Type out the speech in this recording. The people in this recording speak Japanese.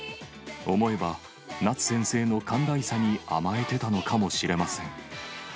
思えば夏先生の寛大さに甘えてたのかもしれません。